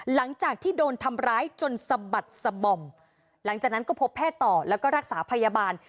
หลังจากที่โดนทำร้ายจนสะบัดสะบอมหลังจากนั้นก็พบแพทย์ต่อแล้วก็รักษาพยาบาล